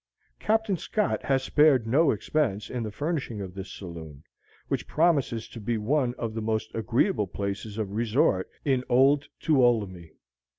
Captain Scott has spared no expense in the furnishing of this saloon, which promises to be one of the most agreeable places of resort in old Tuolumne.